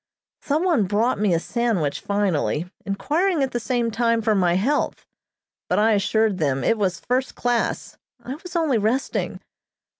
Some one brought me a sandwich finally, inquiring at the same time for my health, but I assured them it was first class, I was only resting.